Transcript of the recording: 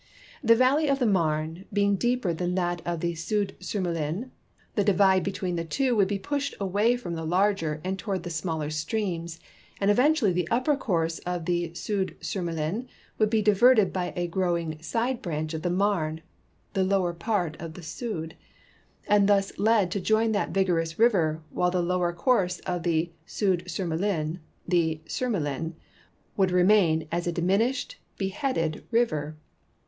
The valley of the Marne being deeper than that of the Soude Surmelin, the divide between the two would be pushed away from the larger and toward the smaller streams, and eventually the upper course of the Soude Surmelin would be diverted by a growing side branch of the Marne (the lower part of the Sonde), and thus led to join that vigorous river, while the lower course of the Soude Surmelin (the Surmelin) would remain as a dimin ished, beheaded river.